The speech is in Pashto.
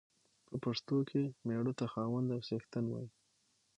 په پښتو کې مېړه ته خاوند او څښتن وايي.